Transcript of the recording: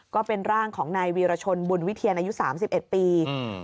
ก็เป็นร่างของนายวีรชนบุญวิเทียนอายุสามสิบเอ็ดปีอืม